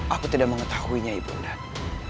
aku tidak mengetahuinya ibu undang